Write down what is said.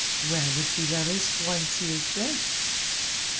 "Where would be the risk once he is dead?"